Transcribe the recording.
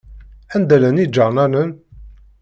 Anda llan iǧarnanen?